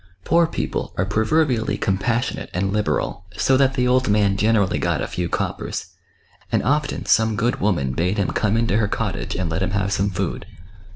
Poor people are proverbially compassionate and liberal, so that the old man generally got a few coppers, and often some good woman bade him come iiito her cottage, and let him have some food.